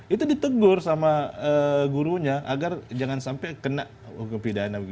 itu ditegur sama gurunya agar jangan sampai kena hukum pidana